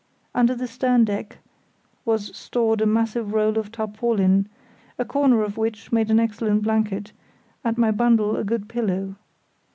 Under the stern deck was stored a massive roll of tarpaulin, a corner of which made an excellent blanket, and my bundle a good pillow.